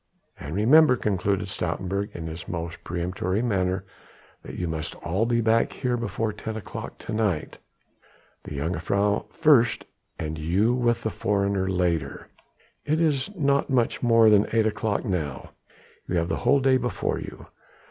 "And remember," concluded Stoutenburg in his most peremptory manner, "that you must all be back here before ten o'clock to night. The jongejuffrouw first and you with the foreigner later. It is not much more than eight o'clock now; you have the whole day before you.